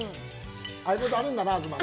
ああいうことあるんだな、東？